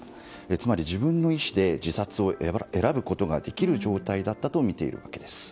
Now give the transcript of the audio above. つまり自分の意思で自殺を選ぶことができる状態だったとみているわけです。